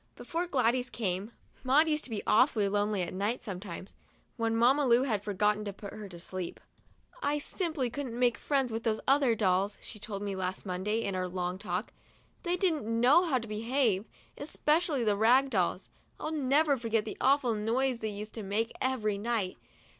Before Gladys came, Maud used to be awfully lonely at night sometimes, when Mamma Lu had forgotten to put her to sleep. "I simply couldn't make friends with those other dolls," she told me last Monday, in our long talk. "They didn't know how to behave, especially the rag dolls. I'll never forget the awful noise they used to make every night.